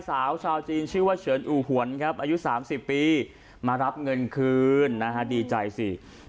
สาวชาวจีนชื่อว่าเฉือนอู่หวนครับอายุ๓๐ปีมารับเงินคืนนะฮะดีใจสิ